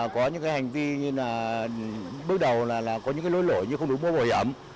có những hành vi như là bước đầu là có những lỗi lỗi như không đủ mũ bảo hiểm